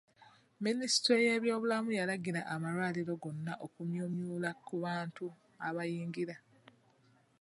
Minisitule y'eby'obulamu yalagira amalwaliro gonna okumyumyula ku bantu abayingira.